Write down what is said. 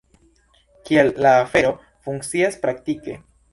Kiel la afero funkcias praktike?